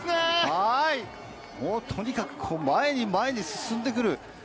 とにかく前に前に進んでくる！